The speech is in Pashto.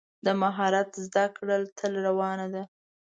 د مهارت زده کړه تل روانه ده.